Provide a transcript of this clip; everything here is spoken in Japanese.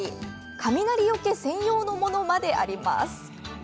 雷よけ専用のものまであります。